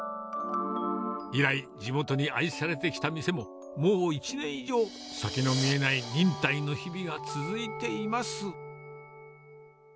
以来、地元に愛されてきた店も、もう１年以上、先の見えない忍耐の日々が続いています。